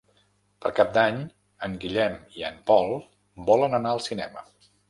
Per Cap d'Any en Guillem i en Pol volen anar al cinema.